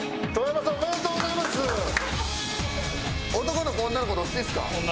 男の子女の子どっちですか？